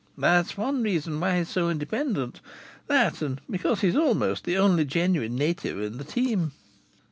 That's one reason why he's so independent that and because he's almost the only genuine native in the team."